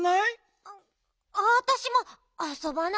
わわたしもあそばない。